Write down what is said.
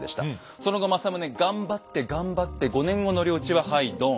その後政宗頑張って頑張って５年後の領地ははいドン。